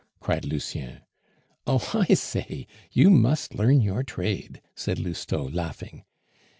cried Lucien. "Oh, I say! you must learn your trade," said Lousteau, laughing.